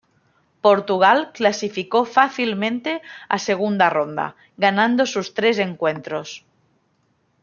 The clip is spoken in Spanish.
Portugal clasificó fácilmente a segunda ronda, ganando sus tres encuentros.